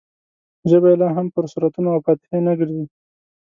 ژبه یې لا هم پر سورتونو او فاتحې نه ګرځي.